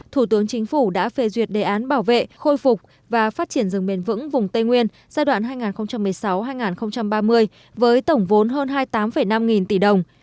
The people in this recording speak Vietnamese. thủ tướng chính phủ đã phê duyệt đề án bảo vệ khôi phục và phát triển rừng bền vững vùng tây nguyên giai đoạn hai nghìn một mươi sáu hai nghìn ba mươi với tổng vốn hơn hai mươi tám năm nghìn tỷ đồng